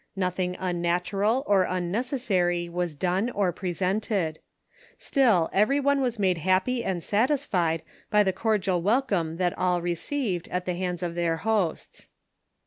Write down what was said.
Nothing unnatural or unnecessary was done or pre feented ; still, every one was made happy and satisfied by the cordial welcome that all received at the hands of their hosts.